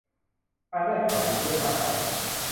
การได้ข่าวดีที่ไม่คาดฝัน